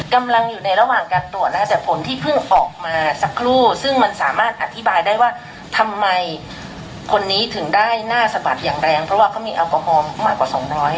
กำลังอยู่ในระหว่างการตรวจนะคะแต่ผลที่เพิ่งออกมาสักครู่ซึ่งมันสามารถอธิบายได้ว่าทำไมคนนี้ถึงได้หน้าสะบัดอย่างแรงเพราะว่าเขามีแอลกอฮอล์มากกว่า๒๐๐